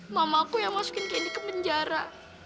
mamaku yang masukin candy ke penjara